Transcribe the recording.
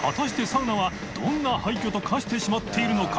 どんな廃墟と化してしまっているのか？